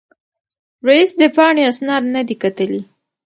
رییس د پاڼې اسناد نه دي کتلي.